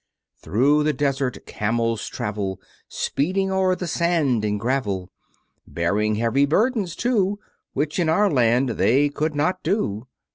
Through the desert Camels travel, Speeding o'er the sand and gravel, Bearing heavy burdens too, Which in our land they could not do.